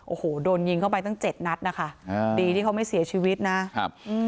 โอ้โหโดนยิงเข้าไปตั้งเจ็ดนัดนะคะอ่าดีที่เขาไม่เสียชีวิตนะครับอืม